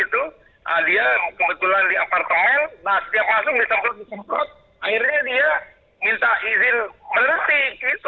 dia kebetulan di apartemen setiap masuk disemprot semprot akhirnya dia minta izin bersih